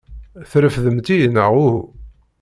Trefdemt-iyi neɣ uhu?